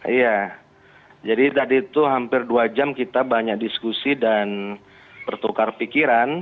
iya jadi tadi itu hampir dua jam kita banyak diskusi dan bertukar pikiran